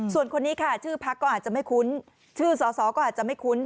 ส่วนคนนี้ค่ะชื่อพักก็อาจจะไม่คุ้นชื่อสอสอก็อาจจะไม่คุ้น